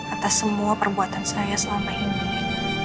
atas semua perbuatan saya selama hidup